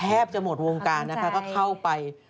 แทบจะหมดวงการนะคะก็เข้าไป